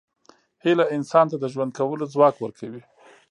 هیله انسان ته د ژوند کولو ځواک ورکوي.